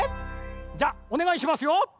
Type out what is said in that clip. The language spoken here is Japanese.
じゃおねがいしますよ。